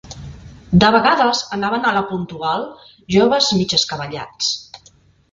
De vegades anaven a «La Puntual» joves mig escabellats